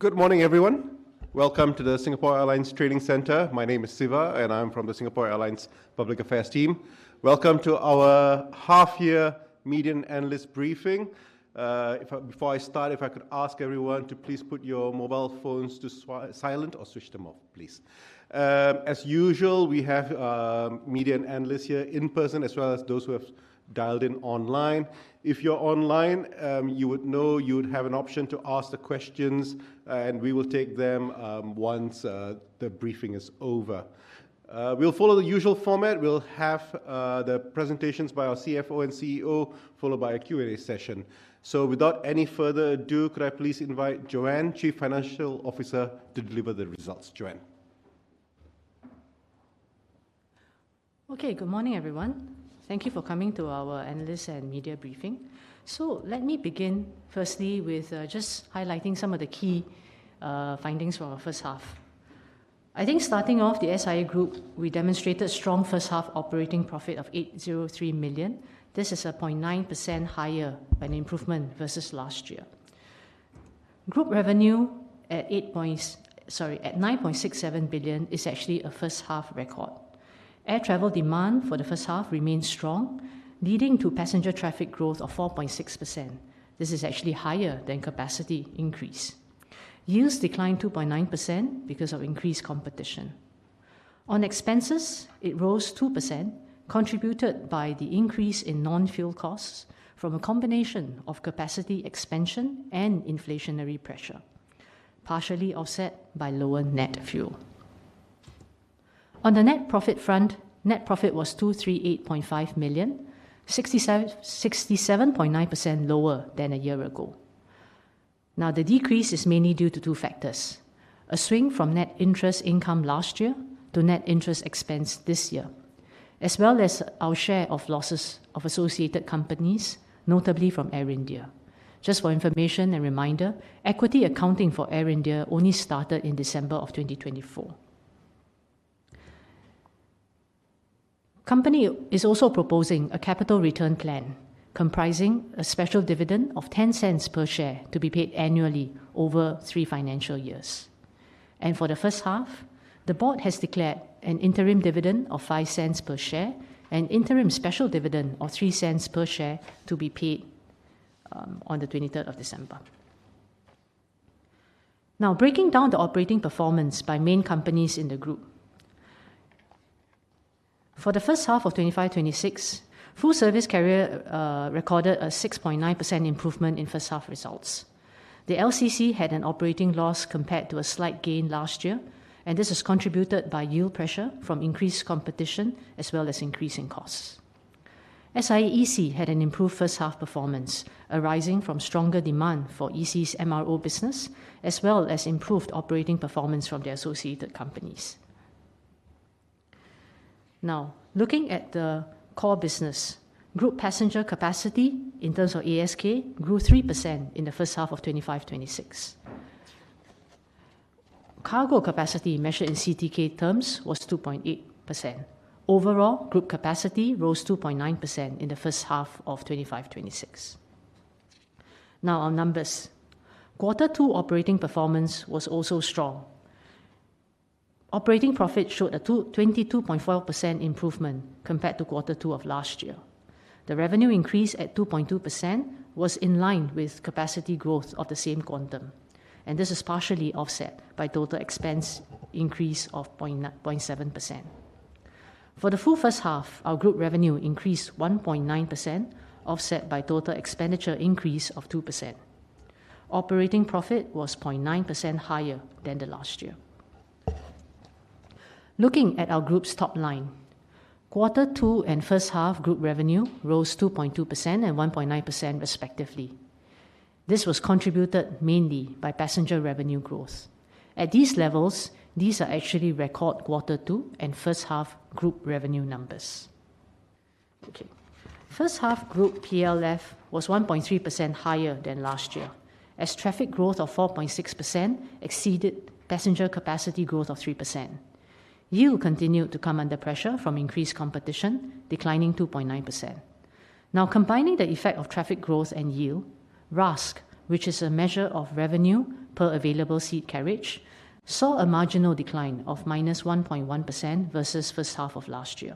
Good morning, everyone. Welcome to the Singapore Airlines Training Centre. My name is Siva, and I'm from the Singapore Airlines Public Affairs team. Welcome to our Half-Year Media and Analyst Briefing. Before I start, if I could ask everyone to please put your mobile phones to silent or switch them off, please. As usual, we have media and analysts here in person, as well as those who have dialed in online. If you're online, you would know you would have an option to ask the questions, and we will take them once the briefing is over. We'll follow the usual format. We'll have the presentations by our CFO and CEO, followed by a Q&A session. Without any further ado, could I please invite Jo-Ann, Chief Financial Officer, to deliver the results? Jo-Ann. Okay, good morning, everyone. Thank you for coming to our analysts and media briefing. Let me begin firstly with just highlighting some of the key findings for our first half. I think starting off, the SIA Group, we demonstrated a strong first-half operating profit of $803 million. This is a 0.9% higher improvement versus last year. Group revenue at 9.67 billion is actually a first-half record. Air travel demand for the first half remained strong, leading to passenger traffic growth of 4.6%. This is actually higher than capacity increase. Yields declined 2.9% because of increased competition. On expenses, it rose 2%, contributed by the increase in non-fuel costs from a combination of capacity expansion and inflationary pressure, partially offset by lower net fuel. On the net profit front, net profit was 238.5 million, 67.9% lower than a year ago. Now, the decrease is mainly due to two factors: a swing from net interest income last year to net interest expense this year, as well as our share of losses of associated companies, notably from Air India. Just for information and reminder, equity accounting for Air India only started in December of 2024. The company is also proposing a capital return plan comprising a special dividend of 0.10 per share to be paid annually over three financial years. For the first half, the board has declared an interim dividend of 0.05 per share and an interim special dividend of 0.03 per share to be paid on the 23rd of December. Now, breaking down the operating performance by main companies in the group, for the first half of 2025/2026, full-service carrier recorded a 6.9% improvement in first-half results. The LCC had an operating loss compared to a slight gain last year, and this is contributed by yield pressure from increased competition as well as increasing costs. SIAEC had an improved first-half performance arising from stronger demand for SIAEC's MRO business, as well as improved operating performance from their associated companies. Now, looking at the core business, group passenger capacity, in terms of ASK, grew 3% in the first half of 2025/2026. Cargo capacity measured in CTK terms was 2.8%. Overall, group capacity rose 2.9% in the first half of 2025/2026. Now, our numbers. Quarter two operating performance was also strong. Operating profit showed a 22.4% improvement compared to quarter two of last year. The revenue increase at 2.2% was in line with capacity growth of the same quantum, and this is partially offset by total expense increase of 0.7%. For the full first half, our group revenue increased 1.9%, offset by total expenditure increase of 2%. Operating profit was 0.9% higher than last year. Looking at our group's top line, Quarter Two and first half group revenue rose 2.2% and 1.9% respectively. This was contributed mainly by passenger revenue growth. At these levels, these are actually record Quarter Two and first half group revenue numbers. First half group PLF was 1.3% higher than last year, as traffic growth of 4.6% exceeded passenger capacity growth of 3%. Yield continued to come under pressure from increased competition, declining 2.9%. Now, combining the effect of traffic growth and yield, RASK which is a measure of revenue per available seat kilometer, saw a marginal decline of minus 1.1% versus first half of last year.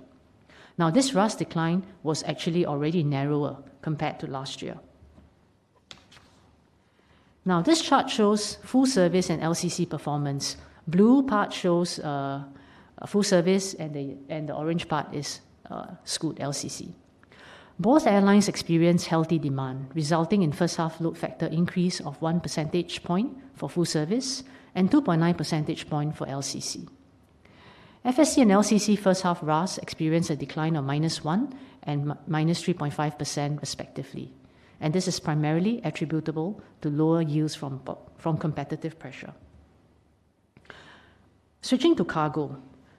Now, this RASK decline was actually already narrower compared to last year. Now, this chart shows full service and LCC performance. The blue part shows full service, and the orange part is Scoot LCC. Both airlines experienced healthy demand, resulting in first-half load factor increase of one percentage point for full service and 2.9 percentage points for LCC. FSC and LCC first-half RASK experienced a decline of minus 1% and minus 3.5% respectively, and this is primarily attributable to lower yields from competitive pressure. Switching to cargo,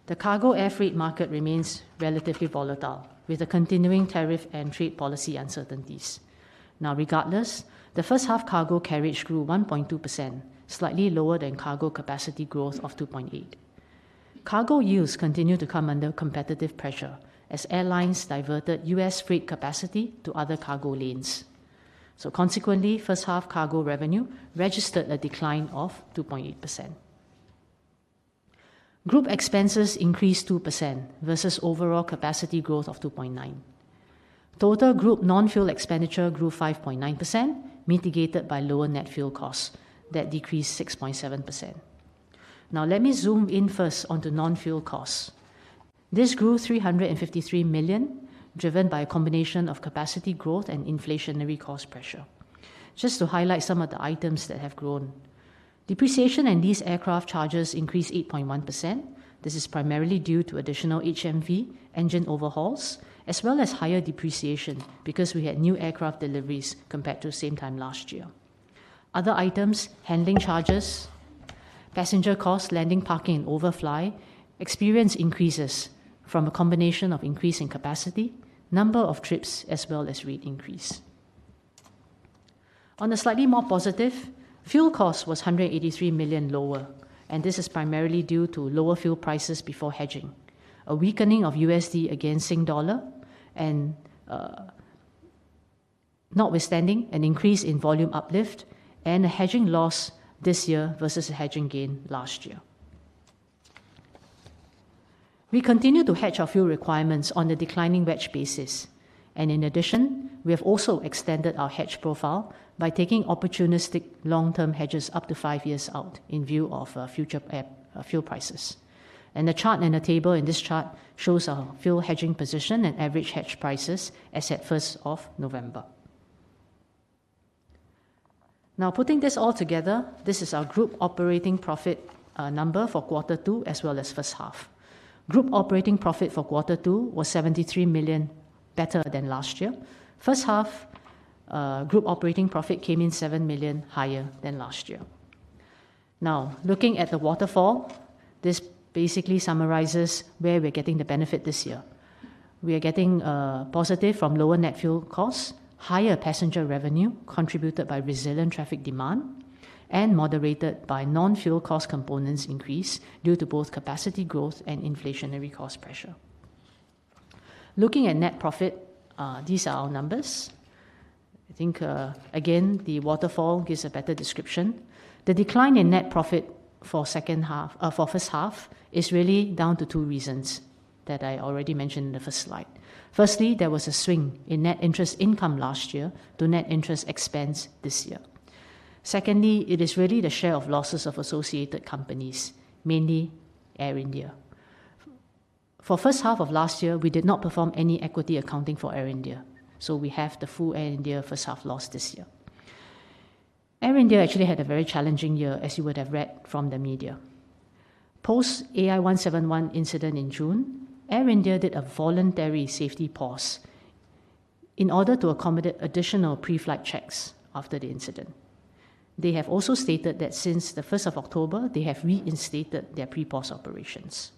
the cargo air freight market remains relatively volatile with the continuing tariff and trade policy uncertainties. Now, regardless, the first-half cargo carriage grew 1.2%, slightly lower than cargo capacity growth of 2.8%. Cargo yields continue to come under competitive pressure as airlines diverted U.S. freight capacity to other cargo lanes. Consequently, first-half cargo revenue registered a decline of 2.8%. Group expenses increased 2% versus overall capacity growth of 2.9%. Total group non-fuel expenditure grew 5.9%, mitigated by lower net fuel costs that decreased 6.7%. Now, let me zoom in first onto non-fuel costs. This grew 353 million, driven by a combination of capacity growth and inflationary cost pressure. Just to highlight some of the items that have grown, depreciation and lease aircraft charges increased 8.1%. This is primarily due to additional HMV engine overhauls, as well as higher depreciation because we had new aircraft deliveries compared to the same time last year. Other items, handling charges, passenger costs, landing parking, and overfly experience increases from a combination of increase in capacity, number of trips, as well as rate increase. On a slightly more positive, fuel costs was 183 million lower, and this is primarily due to lower fuel prices before hedging, a weakening of USD against SGD, notwithstanding an increase in volume uplift, and a hedging loss this year versus a hedging gain last year. We continue to hedge our fuel requirements on a declining wedge basis, and in addition, we have also extended our hedge profile by taking opportunistic long-term hedges up to five years out in view of future fuel prices. The chart and the table in this chart shows our fuel hedging position and average hedge prices as at first of November. Now, putting this all together, this is our group operating profit number for quarter two, as well as first half. Group operating profit for quarter two was 73 million, better than last year. First half group operating profit came in 7 million higher than last year. Now, looking at the waterfall, this basically summarizes where we're getting the benefit this year. We are getting positive from lower net fuel costs, higher passenger revenue contributed by resilient traffic demand, and moderated by non-fuel cost components increase due to both capacity growth and inflationary cost pressure. Looking at net profit, these are our numbers. I think, again, the waterfall gives a better description. The decline in net profit for first half is really down to two reasons that I already mentioned in the first slide. Firstly, there was a swing in net interest income last year to net interest expense this year. Secondly, it is really the share of losses of associated companies, mainly Air India. For the first half of last year, we did not perform any equity accounting for Air India, so we have the full Air India first-half loss this year. Air India actually had a very challenging year, as you would have read from the media. Post- AI171 incident in June, Air India did a voluntary safety pause in order to accommodate additional preflight checks after the incident. They have also stated that since the 1st of October, they have reinstated their pre-pause operations.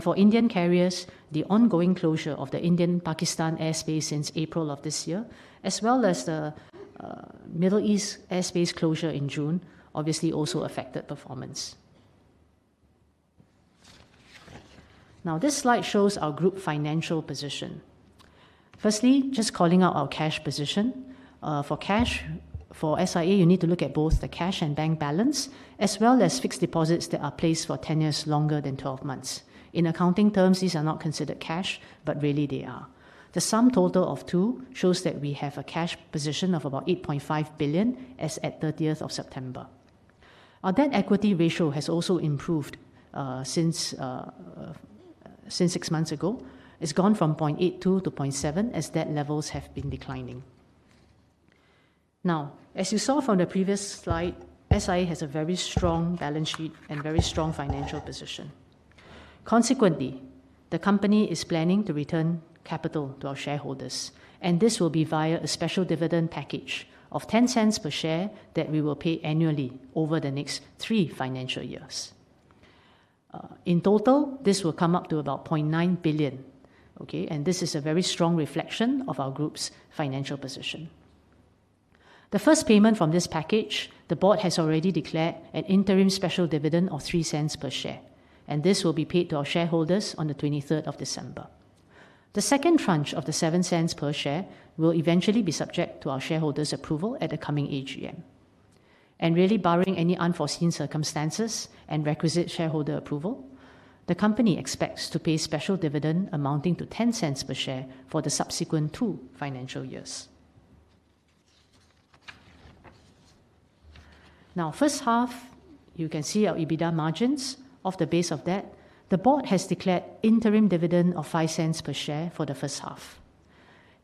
For Indian carriers, the ongoing closure of the Indian-Pakistan airspace since April of this year, as well as the Middle East airspace closure in June, obviously also affected performance. Now, this slide shows our group financial position. Firstly, just calling out our cash position. For cash, for SIA, you need to look at both the cash and bank balance, as well as fixed deposits that are placed for tenures longer than 12 months. In accounting terms, these are not considered cash, but really they are. The sum total of two shows that we have a cash position of about 8.5 billion as at 30th of September. Our debt-equity ratio has also improved since six months ago. It's gone from 0.82 to 0.7, as debt levels have been declining. Now, as you saw from the previous slide, SIA has a very strong balance sheet and very strong financial position. Consequently, the company is planning to return capital to our shareholders, and this will be via a special dividend package of 0.10 per share that we will pay annually over the next three financial years. In total, this will come up to about 0.9 billion, and this is a very strong reflection of our group's financial position. The first payment from this package, the board has already declared an interim special dividend of 0.03 per share, and this will be paid to our shareholders on the 23rd of December. The second tranche of the 0.07 per share will eventually be subject to our shareholders' approval at the coming AGM. Really, barring any unforeseen circumstances and requisite shareholder approval, the company expects to pay special dividend amounting to 0.10 per share for the subsequent two financial years. Now, first half, you can see our EBITDA margins. Off the base of that, the board has declared interim dividend of 0.05 per share for the first half.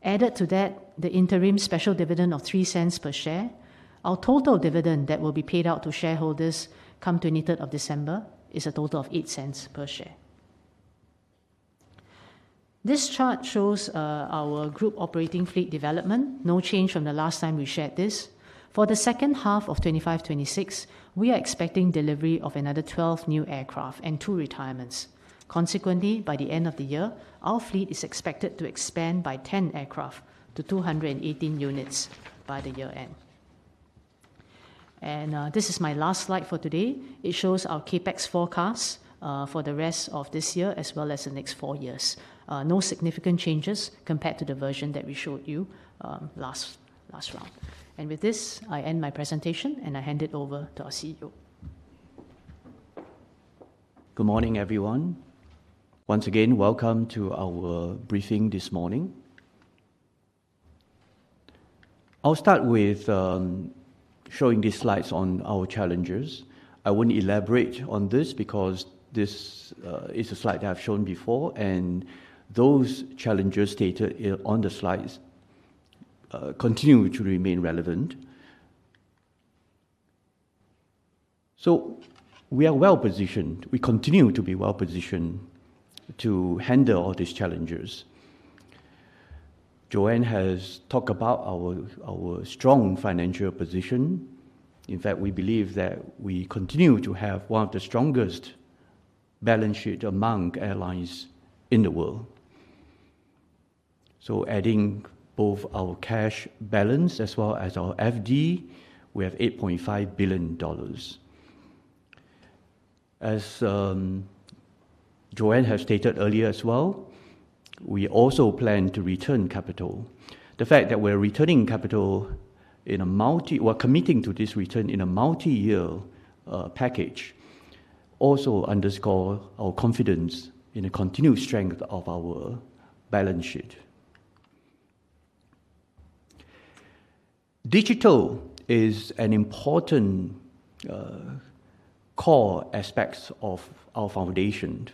Added to that, the interim special dividend of SGD $0.03 per share, our total dividend that will be paid out to shareholders come 23rd of December is a total of 0.08 per share. This chart shows our group operating fleet development, no change from the last time we shared this. For the second half of 2025/2026, we are expecting delivery of another 12 new aircraft and two retirements. Consequently, by the end of the year, our fleet is expected to expand by 10 aircraft to 218 units by the year end. This is my last slide for today. It shows our CapEx forecast for the rest of this year, as well as the next four years. No significant changes compared to the version that we showed you last round. With this, I end my presentation, and I hand it over to our CEO. Good morning, everyone. Once again, welcome to our briefing this morning. I'll start with showing these slides on our challenges. I won't elaborate on this because this is a slide that I've shown before, and those challenges stated on the slides continue to remain relevant. We are well-positioned. We continue to be well positioned to handle all these challenges. Jo-Ann has talked about our strong financial position. In fact, we believe that we continue to have one of the strongest balance sheets among airlines in the world. Adding both our cash balance as well as our FD, we have 8.5 billion dollars. As Jo-Ann has stated earlier as well, we also plan to return capital. The fact that we're returning capital in a multi-year or committing to this return in a multi-year package also underscores our confidence in the continued strength of our balance sheet. Digital is an important core aspect of our foundation.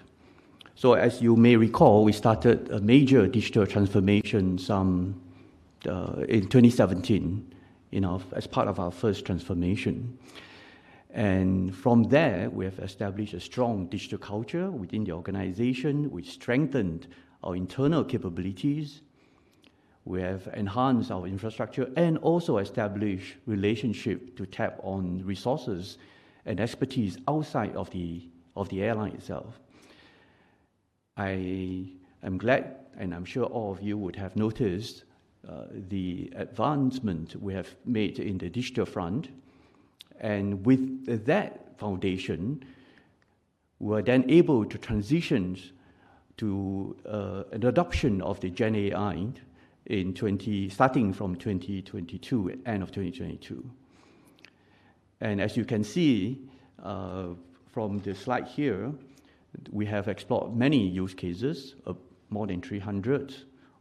As you may recall, we started a major digital transformation in 2017 as part of our first transformation. From there, we have established a strong digital culture within the organization. We strengthened our internal capabilities. We have enhanced our infrastructure and also established relationships to tap on resources and expertise outside of the airline itself. I am glad, and I am sure all of you would have noticed the advancement we have made in the digital front. With that foundation, we were then able to transition to an adoption of the GenAI starting from 2022, end of 2022. As you can see from the slide here, we have explored many use cases, more than 300,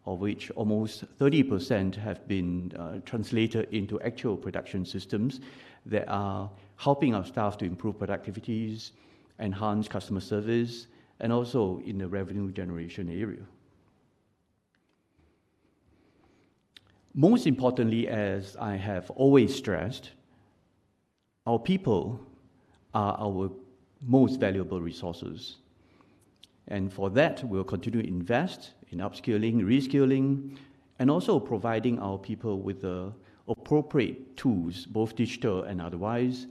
of which almost 30% have been translated into actual production systems that are helping our staff to improve productivities, enhance customer service, and also in the revenue generation area. Most importantly, as I have always stressed, our people are our most valuable resources. For that, we'll continue to invest in upskilling, reskilling, and also providing our people with the appropriate tools, both digital and otherwise,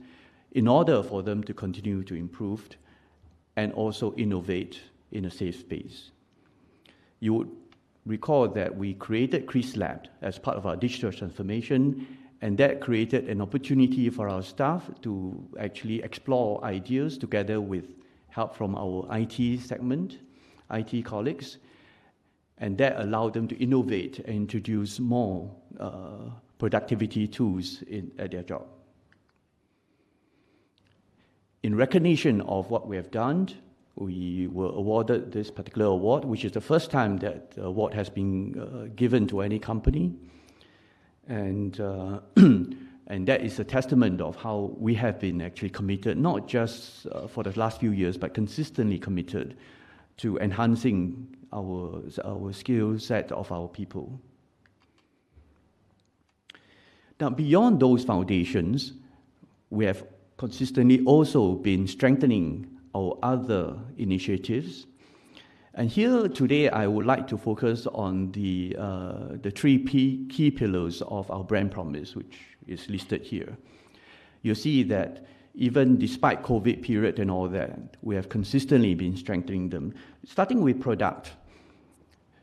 in order for them to continue to improve and also innovate in a safe space. You would recall that we created KrisLab as part of our digital transformation, and that created an opportunity for our staff to actually explore ideas together with help from our IT segment, IT colleagues, and that allowed them to innovate and introduce more productivity tools at their job. In recognition of what we have done, we were awarded this particular award, which is the first time that the award has been given to any company. That is a testament of how we have been actually committed, not just for the last few years, but consistently committed to enhancing our skill set of our people. Now, beyond those foundations, we have consistently also been strengthening our other initiatives. Here today, I would like to focus on the three key pillars of our brand promise, which is listed here. You see that even despite the COVID period and all that, we have consistently been strengthening them, starting with product.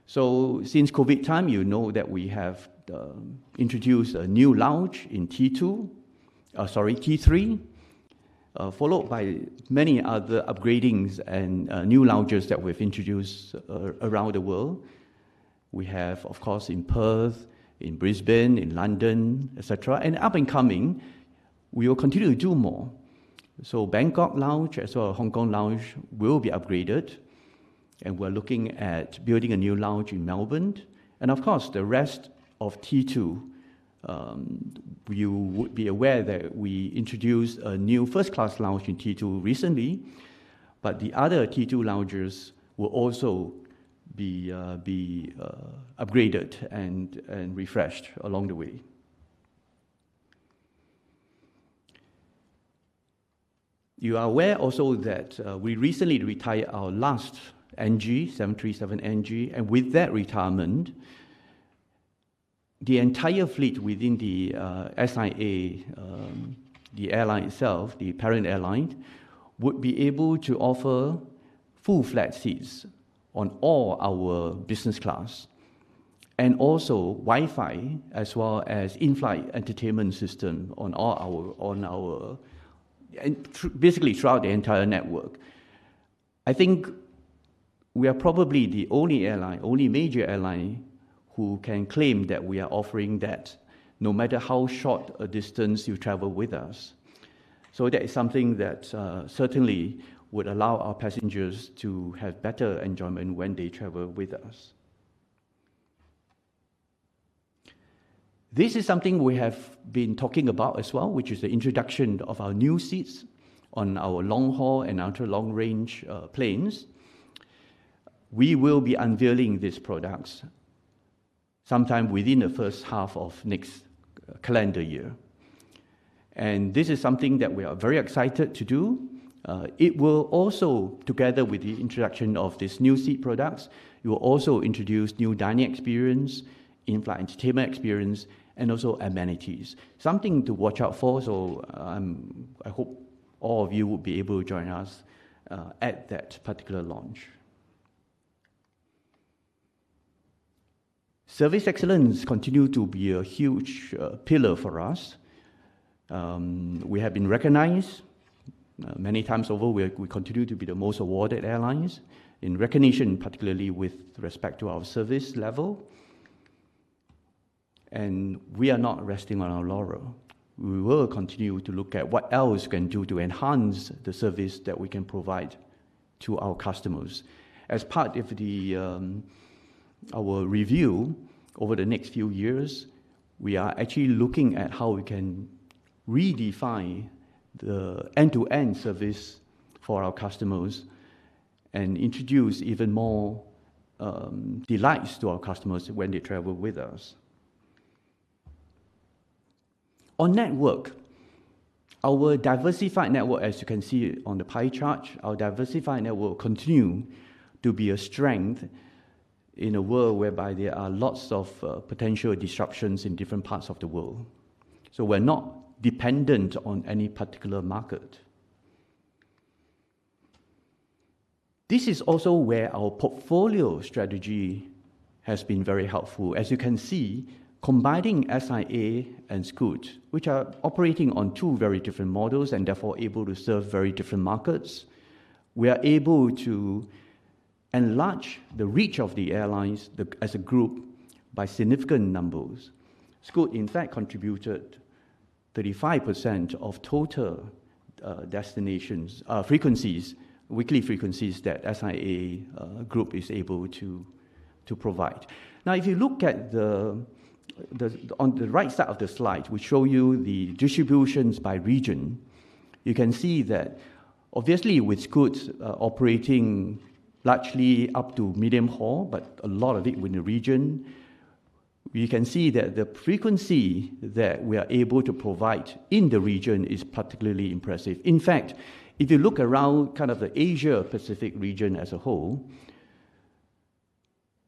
Since COVID time, you know that we have introduced a new lounge in T2, sorry, T3, followed by many other upgradings and new lounges that we have introduced around the world. We have, of course, in Perth, in Brisbane, in London, etc. Up and coming, we will continue to do more. Bangkok Lounge, as well as Hong Kong Lounge, will be upgraded. We are looking at building a new lounge in Melbourne. Of course, the rest of T2, you would be aware that we introduced a new first-class lounge in T2 recently, but the other T2 lounges will also be upgraded and refreshed along the way. You are aware also that we recently retired our last 737 NG, and with that retirement, the entire fleet within the SIA, the airline itself, the parent airline, would be able to offer full flat seats on all our business class and also Wi-Fi, as well as in-flight entertainment system basically throughout the entire network. I think we are probably the only airline, only major airline who can claim that we are offering that no matter how short a distance you travel with us. That is something that certainly would allow our passengers to have better enjoyment when they travel with us. This is something we have been talking about as well, which is the introduction of our new seats on our long-haul and ultra-long-range planes. We will be unveiling these products sometime within the first half of next calendar year. This is something that we are very excited to do. It will also, together with the introduction of these new seat products, we will also introduce new dining experience, in-flight entertainment experience, and also amenities. Something to watch out for. I hope all of you will be able to join us at that particular launch. Service excellence continues to be a huge pillar for us. We have been recognized many times over. We continue to be the most awarded airlines in recognition, particularly with respect to our service level. We are not resting on our laurel. We will continue to look at what else we can do to enhance the service that we can provide to our customers. As part of our review over the next few years, we are actually looking at how we can redefine the end-to-end service for our customers and introduce even more delights to our customers when they travel with us. Our network, our diversified network, as you can see on the pie chart, our diversified network will continue to be a strength in a world whereby there are lots of potential disruptions in different parts of the world. We are not dependent on any particular market. This is also where our portfolio strategy has been very helpful. As you can see, combining SIA and Scoot, which are operating on two very different models and therefore able to serve very different markets, we are able to enlarge the reach of the airlines as a group by significant numbers. Scoot, in fact, contributed 35% of total frequencies, weekly frequencies that the SIA group is able to provide. Now, if you look at the on the right side of the slide, we show you the distributions by region. You can see that, obviously, with Scoot operating largely up to medium-haul, but a lot of it within the region, you can see that the frequency that we are able to provide in the region is particularly impressive. In fact, if you look around kind of the Asia-Pacific region as a whole,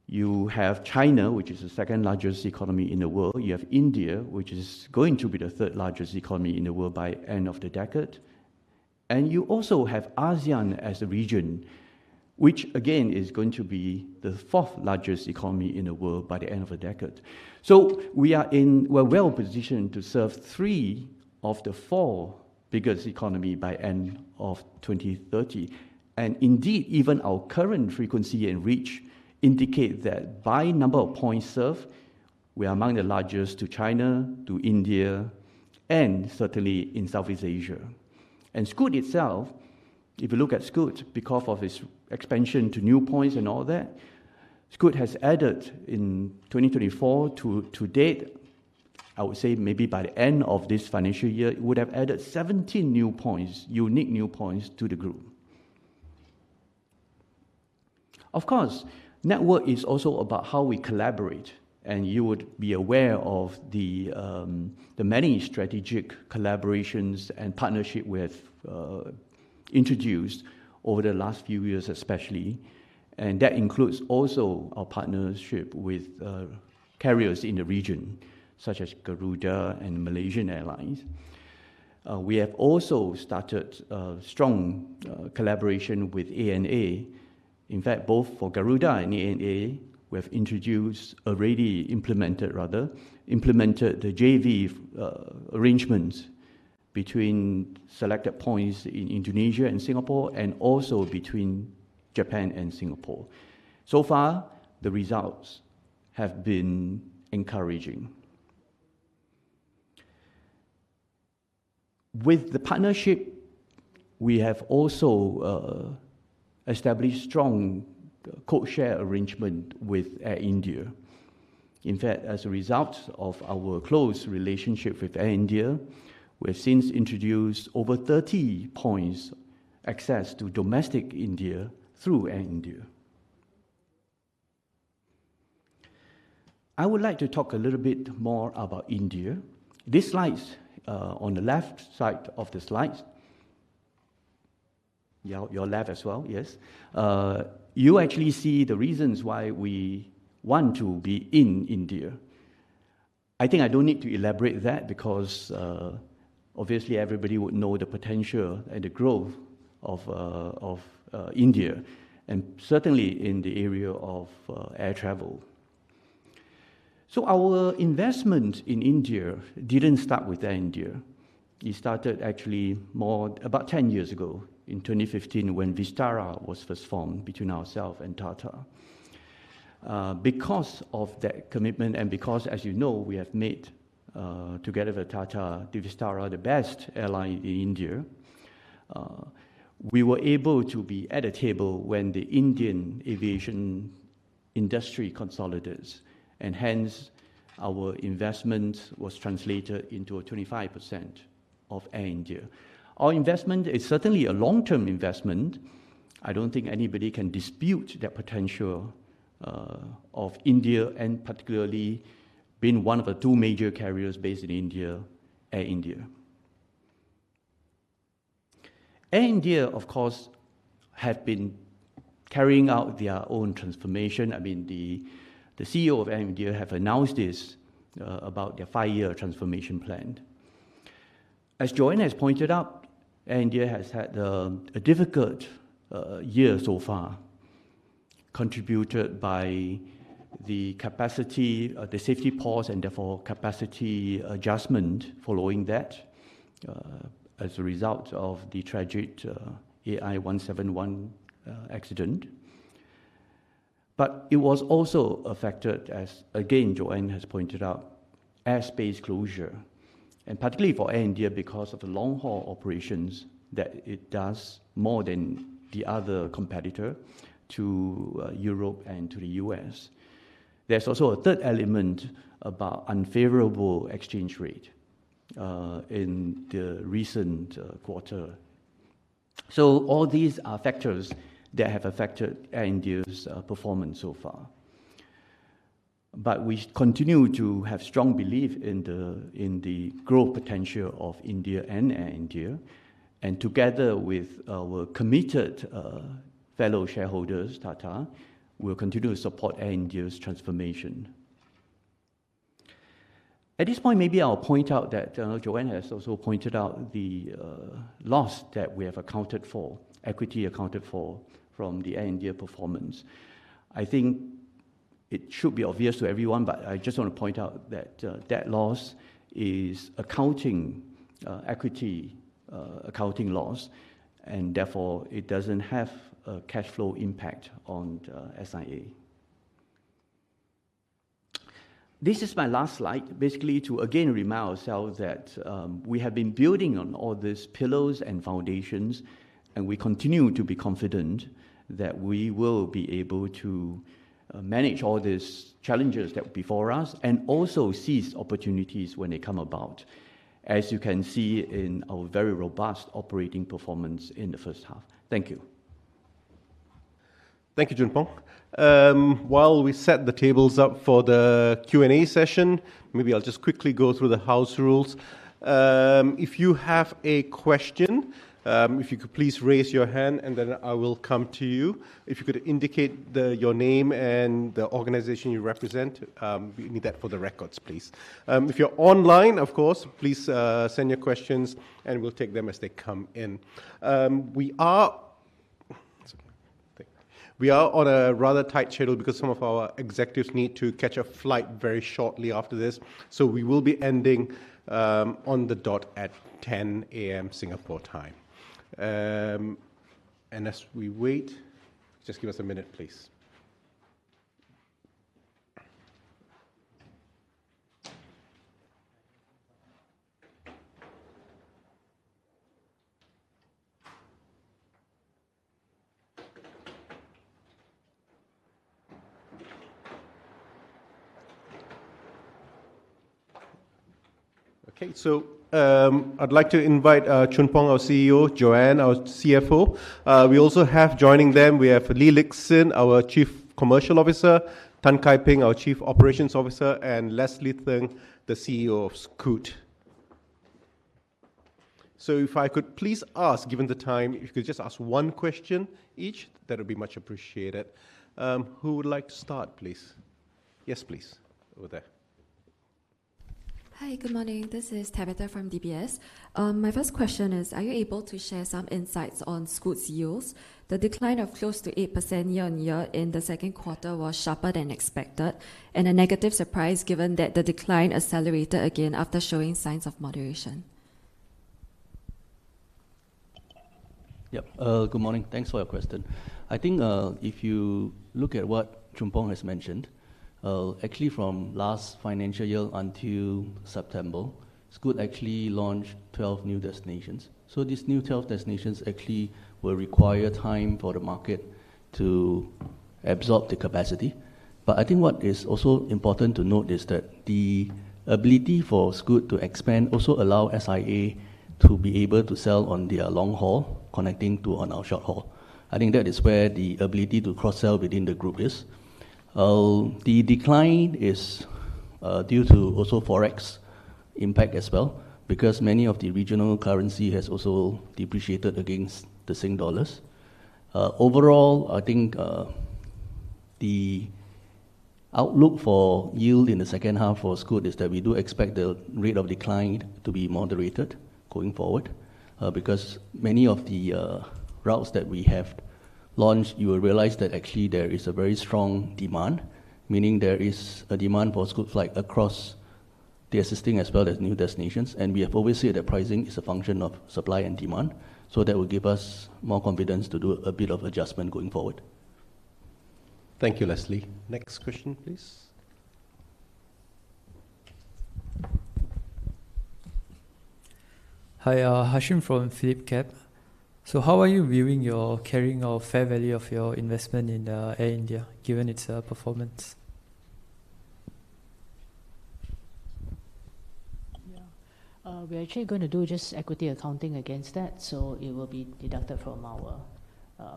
you have China, which is the second largest economy in the world. You have India, which is going to be the third largest economy in the world by the end of the decade. You also have ASEAN as a region, which, again, is going to be the fourth largest economy in the world by the end of the decade. We are well positioned to serve three of the four biggest economies by the end of 2030. Indeed, even our current frequency and reach indicate that by number of points served, we are among the largest to China, to India, and certainly in Southeast Asia. Scoot itself, if you look at Scoot, because of its expansion to new points and all that, Scoot has added in 2024 to date, I would say maybe by the end of this financial year, it would have added 17 new points, unique new points to the group. Of course, network is also about how we collaborate. You would be aware of the many strategic collaborations and partnerships we have introduced over the last few years, especially. That includes also our partnership with carriers in the region, such as Garuda and Malaysia Airlines. We have also started a strong collaboration with ANA. In fact, both for Garuda and ANA, we have already implemented the JV arrangements between selected points in Indonesia and Singapore and also between Japan and Singapore. So far, the results have been encouraging. With the partnership, we have also established strong co-share arrangements with Air India. In fact, as a result of our close relationship with Air India, we have since introduced over 30 points access to domestic India through Air India. I would like to talk a little bit more about India. This slide on the left side of the slide, your left as well, yes, you actually see the reasons why we want to be in India. I think I don't need to elaborate that because obviously everybody would know the potential and the growth of India and certainly in the area of air travel. Our investment in India didn't start with Air India. It started actually more about 10 years ago in 2015 when Vistara was first formed between ourselves and Tata. Because of that commitment and because, as you know, we have made together with Tata, the Vistara, the best airline in India, we were able to be at a table when the Indian aviation industry consolidates, and hence our investment was translated into a 25% of Air India. Our investment is certainly a long-term investment. I don't think anybody can dispute that potential of India and particularly being one of the two major carriers based in India, Air India. Air India, of course, has been carrying out their own transformation. I mean, the CEO of Air India has announced this about their five-year transformation plan. As Jo-Ann has pointed out, Air India has had a difficult year so far, contributed by the capacity, the safety pause, and therefore capacity adjustment following that as a result of the tragic 1 accident. It was also affected, as again, Jo-Ann has pointed out, airspace closure. Particularly for Air India, because of the long-haul operations that it does more than the other competitor to Europe and to the U.S., there is also a third element about unfavorable exchange rate in the recent quarter. All these are factors that have affected Air India's performance so far. We continue to have strong belief in the growth potential of India and Air India. Together with our committed fellow shareholders, Tata, we will continue to support Air India's transformation. At this point, maybe I will point out that Jo-Ann has also pointed out the loss that we have accounted for, equity accounted for from the Air India performance. I think it should be obvious to everyone, but I just want to point out that that loss is accounting equity accounting loss, and therefore it does not have a cash flow impact on SIA. This is my last slide, basically to again remind ourselves that we have been building on all these pillars and foundations, and we continue to be confident that we will be able to manage all these challenges that will be before us and also seize opportunities when they come about, as you can see in our very robust operating performance in the first half. Thank you. Thank you, Choon Phong. While we set the tables up for the Q&A session, maybe I will just quickly go through the house rules. If you have a question, if you could please raise your hand, and then I will come to you. If you could indicate your name and the organization you represent, we need that for the records, please. If you're online, of course, please send your questions, and we'll take them as they come in. We are on a rather tight schedule because some of our executives need to catch a flight very shortly after this. We will be ending on the dot at 10:00 A.M. Singapore time. As we wait, just give us a minute, please. Okay, I would like to invite Goh Choon Phong, our CEO, Jo-Ann, our CFO. We also have joining them, we have Lee Lik Hsin, our Chief Commercial Officer, Tan Kai Ping, our Chief Operations Officer, and Leslie Thng, the CEO of Scoot. If I could please ask, given the time, if you could just ask one question each, that would be much appreciated. Who would like to start, please? Yes, please, over there. Hi, good morning. This is Tabitha from DBS. My first question is, are you able to share some insights on Scoot's yields? The decline of close to 8% year on year in the second quarter was sharper than expected, and a negative surprise given that the decline accelerated again after showing signs of moderation. Yep, good morning. Thanks for your question. I think if you look at what Choon Phong has mentioned, actually from last financial year until September, Scoot actually launched 12 new destinations. These new 12 destinations actually were required time for the market to absorb the capacity. I think what is also important to note is that the ability for Scoot to expand also allowed SIA to be able to sell on their long-haul connecting to on our short-haul. I think that is where the ability to cross-sell within the group is. The decline is due to also Forex impact as well, because many of the regional currency has also depreciated against the Singapore dollars. Overall, I think the outlook for yield in the second half for Scoot is that we do expect the rate of decline to be moderated going forward, because many of the routes that we have launched, you will realize that actually there is a very strong demand, meaning there is a demand for Scoot flight across the existing as well as new destinations. We have always said that pricing is a function of supply and demand. That will give us more confidence to do a bit of adjustment going forward. Thank you, Leslie. Next question, please. Hi, Hashim from Phillip Capital. How are you viewing your carrying of fair value of your investment in Air India, given its performance? Yeah, we're actually going to do just equity accounting against that. It will be deducted from our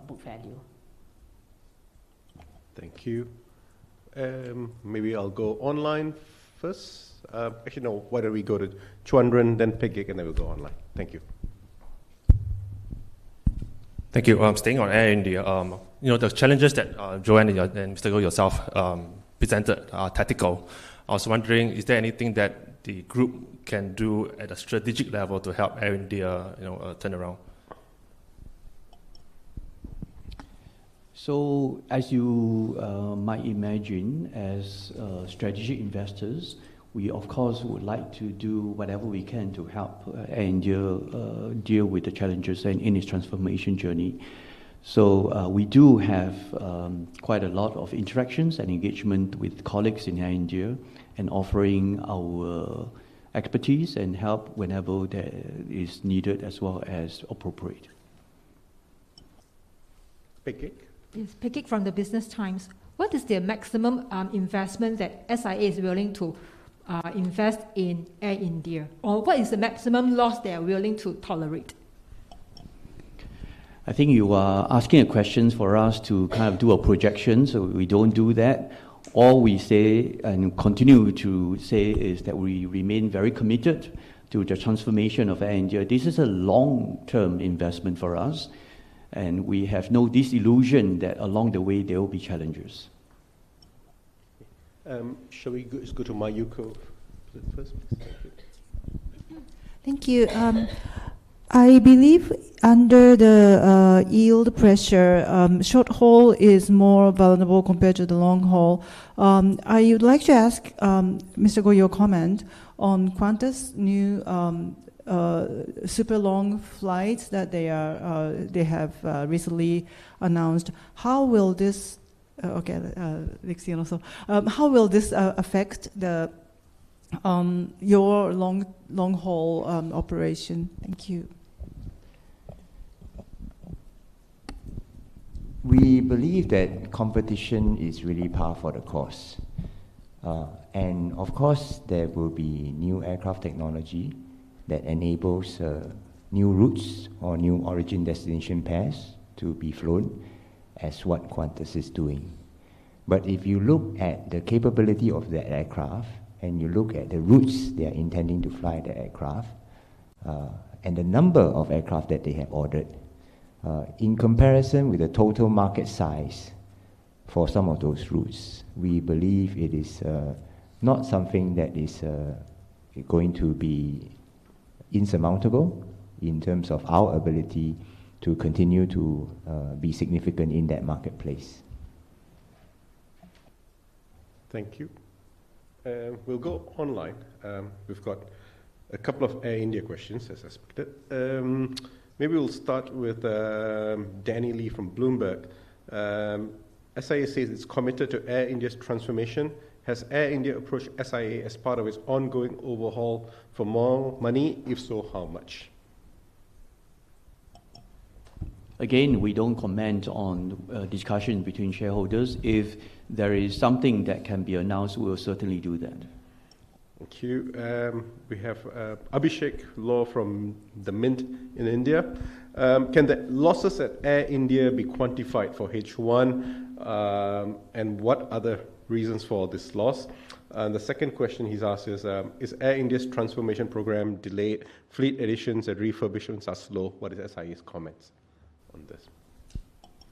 book value. Thank you. Maybe I'll go online first. Actually, no, why don't we go to Chuan Ren, then Pei Li, and then we'll go online. Thank you. Thank you. I'm staying on Air India. The challenges that Jo-Ann and Mr. Goh yourself presented are tactical. I was wondering, is there anything that the group can do at a strategic level to help Air India turn around? As you might imagine, as strategic investors, we, of course, would like to do whatever we can to help Air India deal with the challenges in its transformation journey. We do have quite a lot of interactions and engagement with colleagues in Air India and offering our expertise and help whenever that is needed as well as appropriate. Pei Li. Yes, Pei Li from the Business Times. What is the maximum investment that SIA is willing to invest in Air India? Or what is the maximum loss they are willing to tolerate? I think you are asking a question for us to kind of do a projection. We do not do that. All we say and continue to say is that we remain very committed to the transformation of Air India. This is a long-term investment for us. We have no disillusion that along the way, there will be challenges. Shall we go to Miyuko first? Thank you. I believe under the yield pressure, short-haul is more vulnerable compared to the long-haul. I would like to ask Mr. Goh your comment on Qantas' new super long flights that they have recently announced. How will this—okay, Lik Hsin also. How will this affect your long-haul operation? Thank you. We believe that competition is really par for the course. Of course, there will be new aircraft technology that enables new routes or new origin destination pairs to be flown, as what Qantas is doing. If you look at the capability of the aircraft and you look at the routes they are intending to fly the aircraft and the number of aircraft that they have ordered, in comparison with the total market size for some of those routes, we believe it is not something that is going to be insurmountable in terms of our ability to continue to be significant in that marketplace. Thank you. We'll go online. We've got a couple of Air India questions, as I expected. Maybe we'll start with Danny Lee from Bloomberg. SIA says it's committed to Air India's transformation. Has Air India approached SIA as part of its ongoing overhaul for more money? If so, how much? Again, we don't comment on discussions between shareholders. If there is something that can be announced, we will certainly do that. Thank you. We have Abhishek Law from The Mint in India. Can the losses at Air India be quantified for H1? And what are the reasons for this loss? The second question he's asked is, is Air India's transformation program delayed? Fleet additions and refurbishments are slow. What is SIA's comments on this?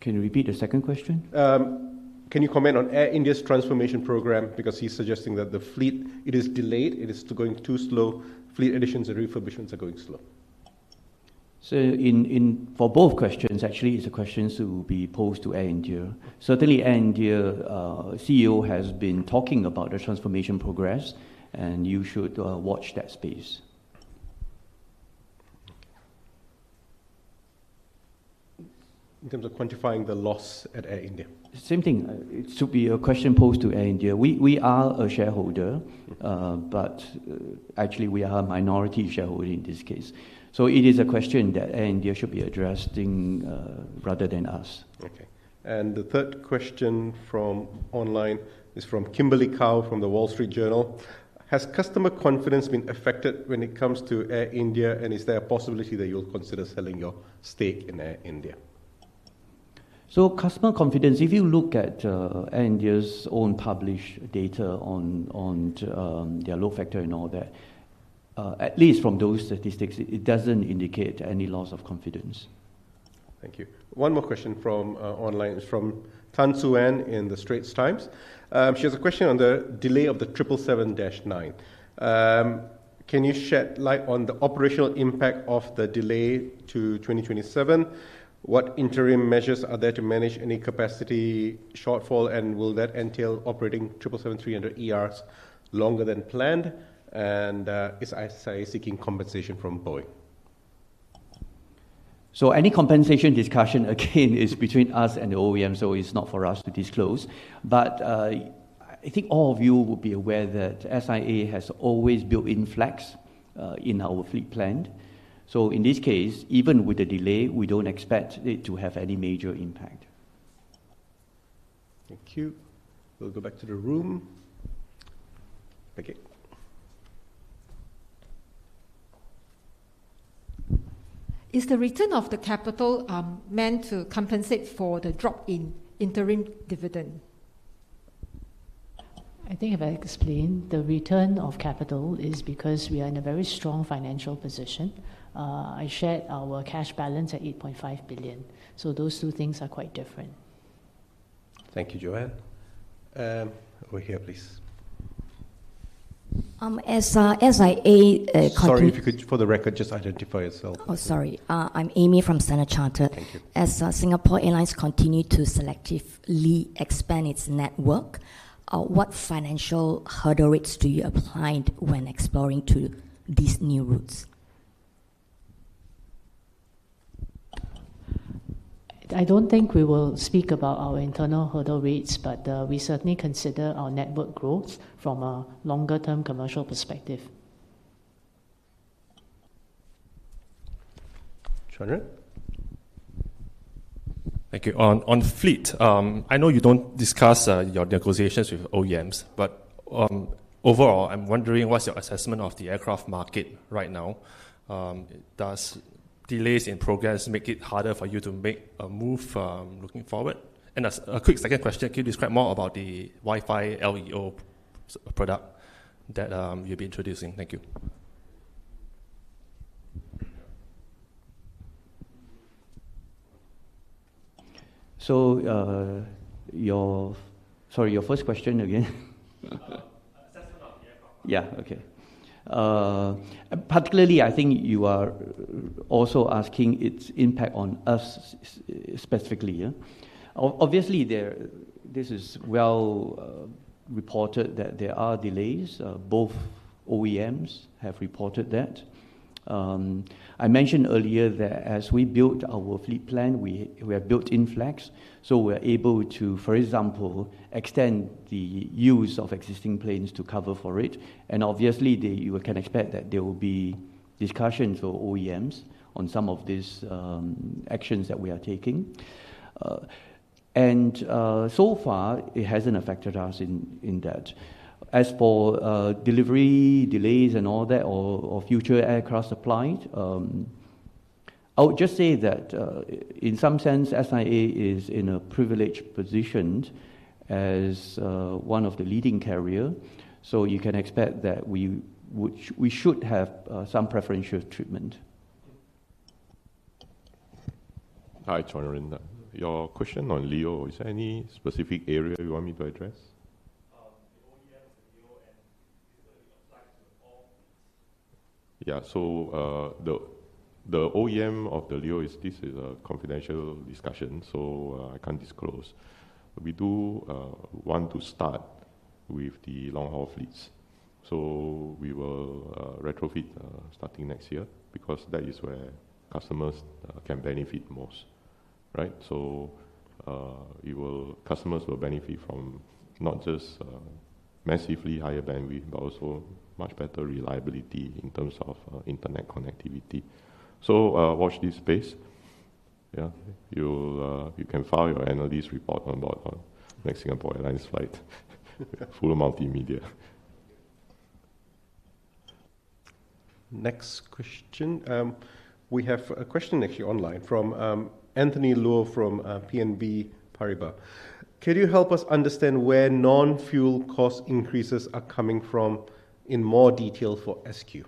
Can you repeat the second question? Can you comment on Air India's transformation program? Because he's suggesting that the fleet, it is delayed. It is going too slow. Fleet additions and refurbishments are going slow. For both questions, actually, it's a question to be posed to Air India. Certainly, Air India's CEO has been talking about the transformation progress, and you should watch that space. In terms of quantifying the loss at Air India? Same thing. It should be a question posed to Air India. We are a shareholder, but actually, we are a minority shareholder in this case. It is a question that Air India should be addressing rather than us. Okay. The third question from online is from Kimberly Kao from The Wall Street Journal. Has customer confidence been affected when it comes to Air India? Is there a possibility that you'll consider selling your stake in Air India? Customer confidence, if you look at Air India's own published data on their load factor and all that, at least from those statistics, it doesn't indicate any loss of confidence. Thank you. One more question from online is from Tan Sue-Ann in The Straits Times. She has a question on the delay of the 777-9. Can you shed light on the operational impact of the delay to 2027? What interim measures are there to manage any capacity shortfall? Will that entail operating 777-300ERs longer than planned? Is SIA seeking compensation from Boeing? Any compensation discussion, again, is between us and the OEM, so it is not for us to disclose. I think all of you will be aware that SIA has always built in flex in our fleet plan. In this case, even with the delay, we do not expect it to have any major impact. Thank you. We will go back to the room. Is the return of the capital meant to compensate for the drop in interim dividend? I think if I explain, the return of capital is because we are in a very strong financial position. I shared our cash balance at 8.5 billion. Those two things are quite different. Thank you, Jo-Ann. Over here, please. As SIA— Sorry, if you could, for the record, just identify yourself. Oh, sorry. I'm Amy from Standard Chartered. Thank you. As Singapore Airlines continues to selectively expand its network, what financial hurdle rates do you apply when exploring these new routes? I don't think we will speak about our internal hurdle rates, but we certainly consider our network growth from a longer-term commercial perspective. Chuan Ren. Thank you. On fleet, I know you don't discuss your negotiations with OEMs, but overall, I'm wondering what's your assessment of the aircraft market right now? Do delays in progress make it harder for you to make a move looking forward? A quick second question, can you describe more about the Wi-Fi LEO product that you've been introducing? Thank you. Your—sorry, your first question again? Assessment of the aircraft market. Yeah, okay. Particularly, I think you are also asking its impact on us specifically. Obviously, this is well reported that there are delays. Both OEMs have reported that. I mentioned earlier that as we built our fleet plan, we have built in flex. We are able to, for example, extend the use of existing planes to cover for it. Obviously, you can expect that there will be discussions with OEMs on some of these actions that we are taking. So far, it hasn't affected us in that. As for delivery delays and all that, or future aircraft supplies, I would just say that in some sense, SIA is in a privileged position as one of the leading carriers. You can expect that we should have some preferential treatment. Hi, Chuan Ren. Your question on LEO, is there any specific area you want me to address? The OEMs and LEO, and this certainly applies to all fleets. Yeah, the OEM of the LEO, this is a confidential discussion, so I can't disclose. We do want to start with the long-haul fleets. We will retrofit starting next year because that is where customers can benefit most. Right? Customers will benefit from not just massively higher bandwidth, but also much better reliability in terms of internet connectivity. Watch this space. You can file your analysis report on board on next Singapore Airlines flight. Full of multimedia. Next question. We have a question actually online from Anthony Luo from BNP Paribas. Could you help us understand where non-fuel cost increases are coming from in more detail for SQ?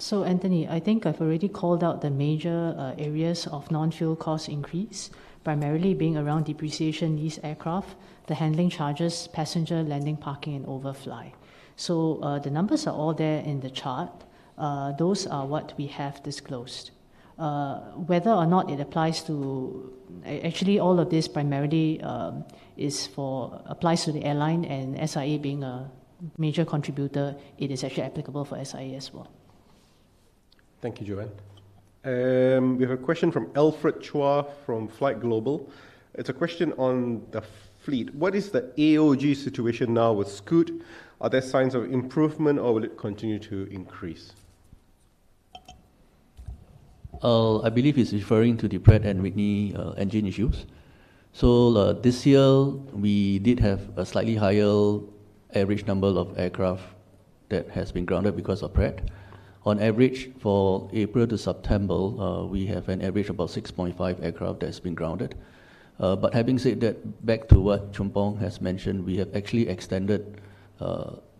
Actually, I think I've already called out the major areas of non-fuel cost increase, primarily being around depreciation lease aircraft, the handling charges, passenger landing, parking, and overfly. The numbers are all there in the chart. Those are what we have disclosed. Whether or not it applies to actually, all of this primarily applies to the airline. And SIA being a major contributor, it is actually applicable for SIA as well. Thank you, Jo-Ann. We have a question from Alfred Chua from Flight Global. It's a question on the fleet. What is the AOG situation now with Scoot? Are there signs of improvement, or will it continue to increase? I believe he's referring to the Pratt & Whitney engine issues. This year, we did have a slightly higher average number of aircraft that has been grounded because of Pratt. On average, for April to September, we have an average of about 6.5 aircraft that has been grounded. Having said that, back to what Goh Choon Phong has mentioned, we have actually extended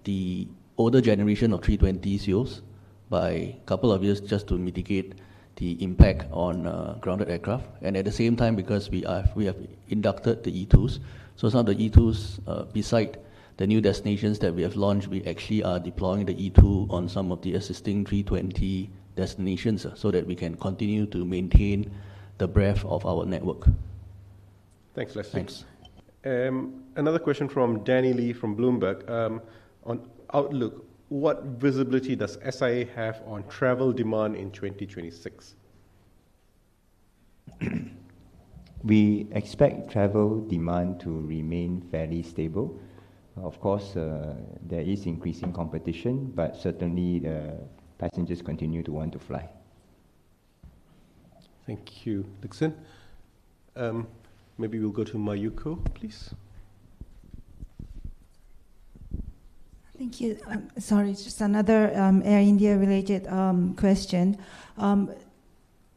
the older generation of 320s by a couple of years just to mitigate the impact on grounded aircraft. At the same time, because we have inducted the E2s, some of the E2s, besides the new destinations that we have launched, we actually are deploying the E2 on some of the existing 320 destinations so that we can continue to maintain the breadth of our network. Thanks, Leslie. Thanks. Another question from Danny Lee from Bloomberg. On Outlook, what visibility does SIA have on travel demand in 2026? We expect travel demand to remain fairly stable. Of course, there is increasing competition, but certainly, the passengers continue to want to fly. Thank you, Lee Lik Hsin. Maybe we'll go to Miyuko, please. Thank you. Sorry, just another Air India-related question.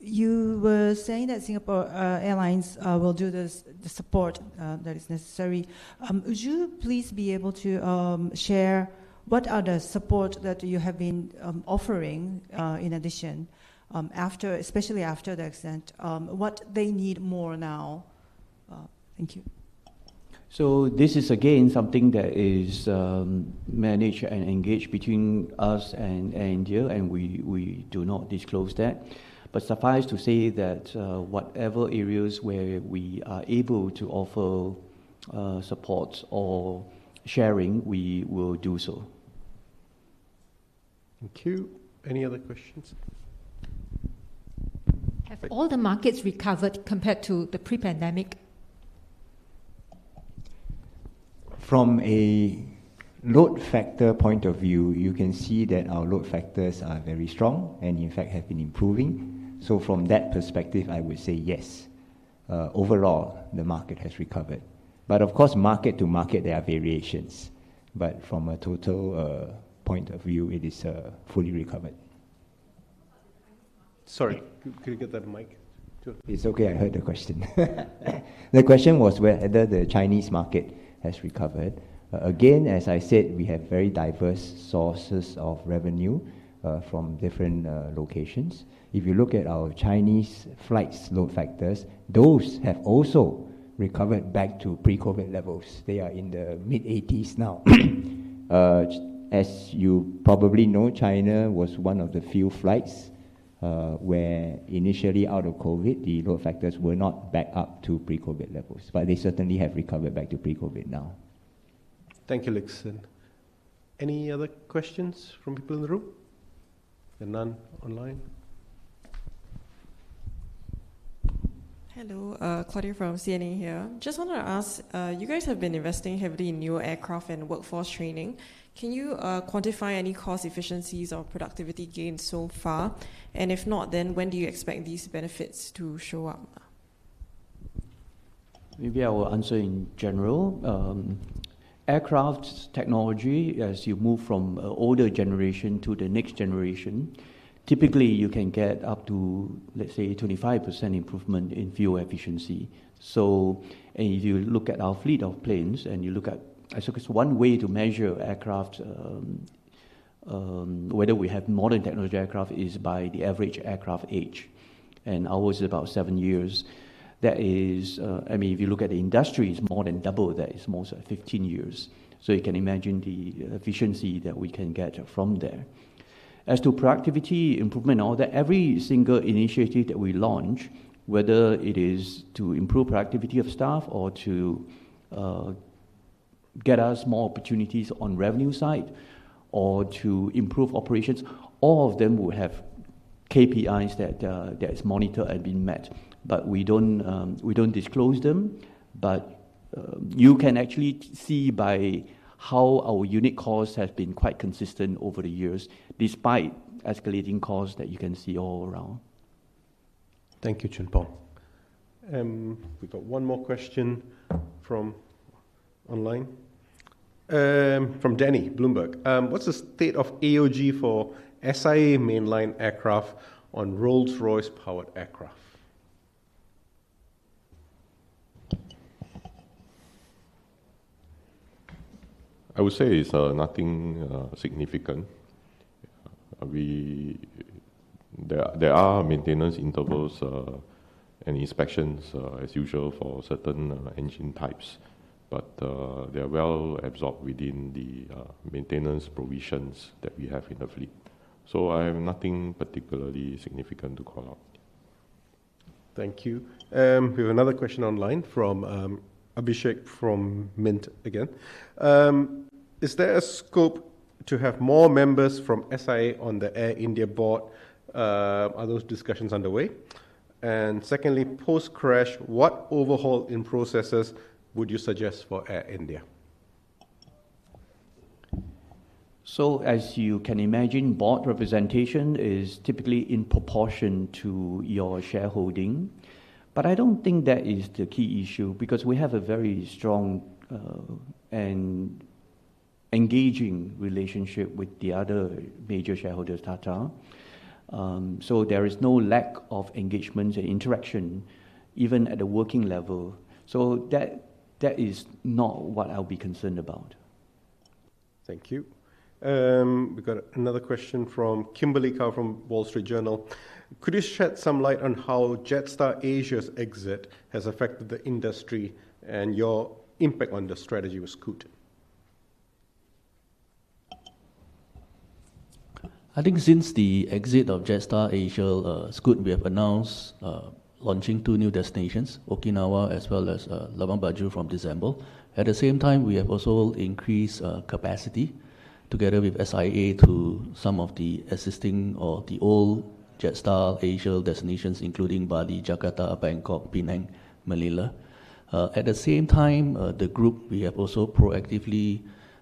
You were saying that Singapore Airlines will do the support that is necessary. Would you please be able to share what other support that you have been offering in addition, especially after the accident, what they need more now? Thank you. This is, again, something that is managed and engaged between us and Air India, and we do not disclose that. Suffice to say that whatever areas where we are able to offer support or sharing, we will do so. Thank you. Any other questions? Have all the markets recovered compared to the pre-pandemic? From a load factor point of view, you can see that our load factors are very strong and, in fact, have been improving. From that perspective, I would say yes. Overall, the market has recovered. Of course, market to market, there are variations. From a total point of view, it is fully recovered. Sorry, could you get that mic too? It's okay. I heard the question. The question was whether the Chinese market has recovered. Again, as I said, we have very diverse sources of revenue from different locations. If you look at our Chinese flight load factors, those have also recovered back to pre-COVID levels. They are in the mid-80% now. As you probably know, China was one of the few flights where initially, out of COVID, the load factors were not back up to pre-COVID levels. They certainly have recovered back to pre-COVID now. Thank you, Lee Lik Hsin. Any other questions from people in the room? None online? Hello, Claudia from CNA here. Just wanted to ask, you guys have been investing heavily in new aircraft and workforce training. Can you quantify any cost efficiencies or productivity gains so far? If not, then when do you expect these benefits to show up? Maybe I will answer in general. Aircraft technology, as you move from an older generation to the next generation, typically, you can get up to, let's say, 25% improvement in fuel efficiency. If you look at our fleet of planes and you look at, I suppose, one way to measure aircraft, whether we have modern technology aircraft is by the average aircraft age. Ours is about seven years. That is, I mean, if you look at the industry, it's more than double that. It's more so 15 years. You can imagine the efficiency that we can get from there. As to productivity, improvement, and all that, every single initiative that we launch, whether it is to improve productivity of staff or to get us more opportunities on the revenue side or to improve operations, all of them will have KPIs that are monitored and being met. We do not disclose them. You can actually see by how our unit costs have been quite consistent over the years, despite escalating costs that you can see all around. Thank you, Choon Phong. We have one more question from online. From Danny, Bloomberg. What is the state of AOG for SIA mainline aircraft on Rolls-Royce-powered aircraft? I would say it is nothing significant. There are maintenance intervals and inspections, as usual, for certain engine types. They are well absorbed within the maintenance provisions that we have in the fleet. I have nothing particularly significant to call out. Thank you. We have another question online from Abhishek from Mint again. Is there a scope to have more members from SIA on the Air India board? Are those discussions underway? Secondly, post-crash, what overhaul in processes would you suggest for Air India? As you can imagine, board representation is typically in proportion to your shareholding. I do not think that is the key issue because we have a very strong and engaging relationship with the other major shareholders, Tata. There is no lack of engagement and interaction, even at the working level. That is not what I will be concerned about. Thank you. We've got another question from Kimberly Kao from Wall Street Journal. Could you shed some light on how Jetstar Asia's exit has affected the industry and your impact on the strategy with Scoot? I think since the exit of Jetstar Asia, Scoot, we have announced launching two new destinations, Okinawa as well as Labuan Bajo from December. At the same time, we have also increased capacity together with SIA to some of the existing or the old Jetstar Asia destinations, including Bali, Jakarta, Bangkok, Penang, Manila. At the same time, the group, we have also proactively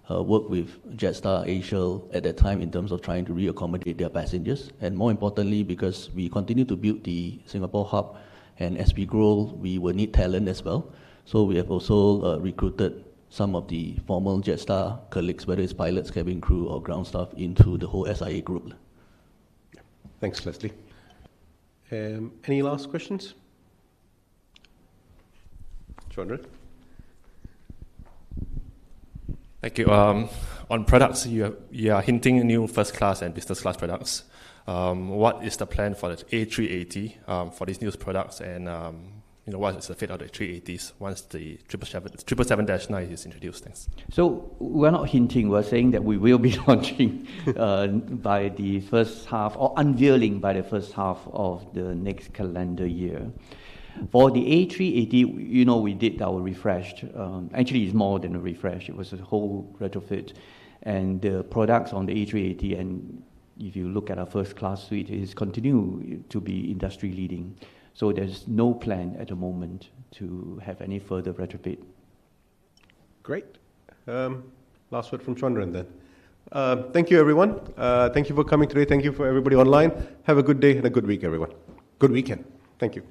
worked with Jetstar Asia at that time in terms of trying to reaccommodate their passengers. More importantly, because we continue to build the Singapore hub, and as we grow, we will need talent as well. We have also recruited some of the former Jetstar colleagues, whether it's pilots, cabin crew, or ground staff, into the whole SIA group. Thanks, Leslie. Any last questions? Chuan Ren. Thank you. On products, you are hinting at new first-class and business-class products. What is the plan for the A380 for these new products? And what is the fate of the A380s once the 777-9 is introduced? Thanks. We're not hinting. We're saying that we will be launching by the first half or unveiling by the first half of the next calendar year. For the A380, you know we did our refresh. Actually, it's more than a refresh. It was a whole retrofit. The products on the A380, and if you look at our first-class suite, it is continuing to be industry-leading. There is no plan at the moment to have any further retrofit. Great. Last word from Chuan Ren then. Thank you, everyone. Thank you for coming today. Thank you for everybody online. Have a good day and a good week, everyone. Good weekend. Thank you.